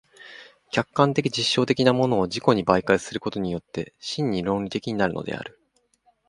客観的実証的なものを自己に媒介することによって真に論理的になるのである。